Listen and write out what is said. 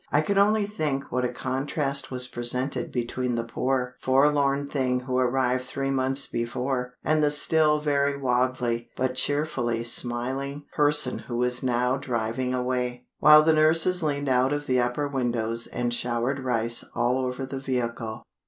I could only think what a contrast was presented between the poor, forlorn thing who arrived those months before, and the still very wobbly, but cheerfully smiling, person who was now driving away, while the nurses leaned out of the upper windows and showered rice all over the vehicle.